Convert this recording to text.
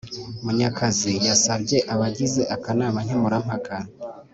munyakazi yasabye abagize akanama nkemurampaka